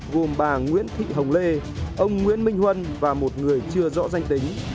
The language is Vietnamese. gồm bà nguyễn thị hồng lê ông nguyễn minh huân và một người chưa rõ danh tính